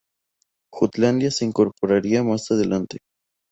Jutlandia se incorporaría más adelante.